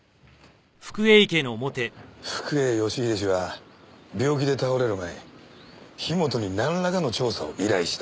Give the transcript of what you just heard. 福栄義英氏は病気で倒れる前に樋本になんらかの調査を依頼した。